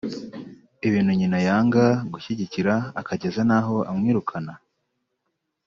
ibintu nyina yanga gushyigikira akageza n’aho amwirukana